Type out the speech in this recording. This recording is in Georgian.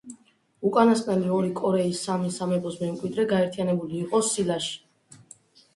უკანასკნელი ორი, კორეის სამი სამეფოს მემკვიდრე გაერთიანებული იყო სილაში.